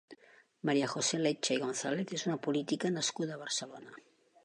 María José Lecha i González és una política nascuda a Barcelona.